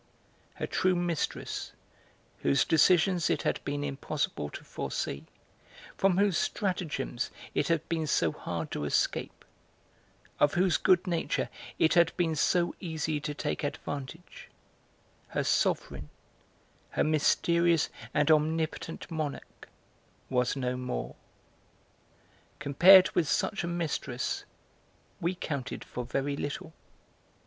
Her true mistress, whose decisions it had been impossible to foresee, from whose stratagems it had been so hard to escape, of whose good nature it had been so easy to take advantage, her sovereign, her mysterious and omnipotent monarch was no more. Compared with such a mistress we counted for very little.